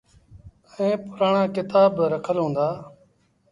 ائيٚݩ پُرآڻآ ڪتآب با رکل هُݩدآ۔